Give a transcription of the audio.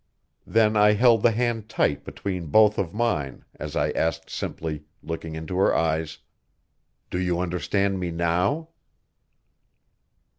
Then I held the hand tight between both of mine as I asked simply, looking into her eyes: "Do you understand me now?"